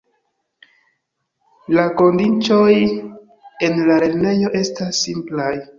La kondiĉoj en la lernejo estas simplaj.